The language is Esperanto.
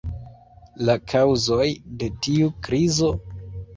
La kaŭzoj de tiu krizo?